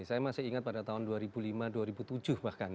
saya masih ingat pada tahun dua ribu lima dua ribu tujuh bahkan